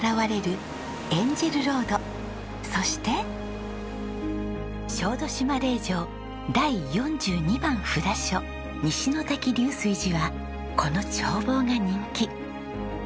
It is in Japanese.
そして小豆島霊場第４２番札所西之瀧龍水寺はこの眺望が人気。